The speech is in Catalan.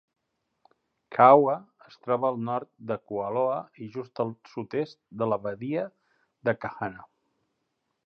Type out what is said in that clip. Kaaawa es troba al nord de Kualoa i just al sud-est de la badia de Kahana.